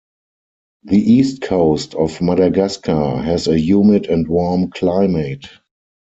The east coast of Madagascar has a humid and warm climate.